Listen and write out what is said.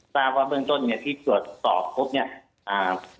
ตามว่าเบื้องต้นที่ตรวจสอบพบเนี่ย